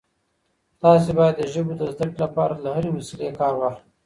تاسي باید د ژبو د زده کړې لپاره له هرې وسیلې کار واخلئ.